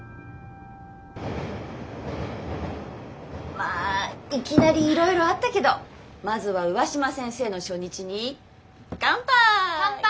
まあいきなりいろいろあったけどまずは上嶋先生の初日にかんぱい。